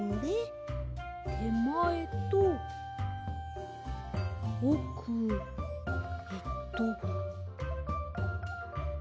てまえとおくえっと。